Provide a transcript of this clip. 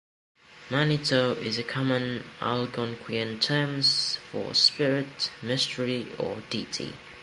"Manitou" is a common Algonquian term for spirit, mystery, or deity.